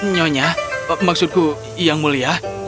nyonya maksudku yang mulia